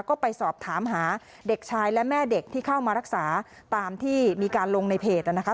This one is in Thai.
ก็ไปสอบถามหาเด็กชายและแม่เด็กที่เข้ามารักษาตามที่มีการลงในเพจนะคะ